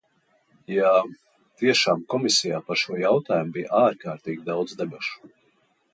Jā, tiešām komisijā par šo jautājumu bija ārkārtīgi daudz debašu.